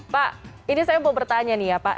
pak ini saya mau bertanya nih ya pak